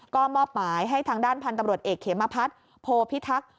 ก็มอบหมายให้ทางด้านพันธุ์ตำรวจเอกเขมพัฒน์โพพิทักษ์